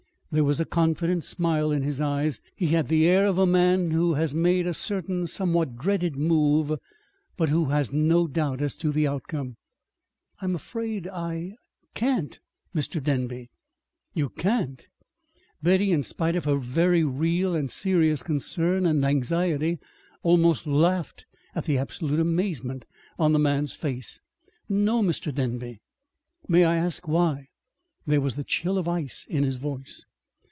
There was a confident smile in his eyes. He had the air of a man who has made a certain somewhat dreaded move, but who has no doubt as to the outcome. "I'm afraid I can't, Mr. Denby." "You can't!" Betty, in spite of her very real and serious concern and anxiety, almost laughed at the absolute amazement on the man's face. "No, Mr. Denby." "May I ask why?" There was the chill of ice in his voice.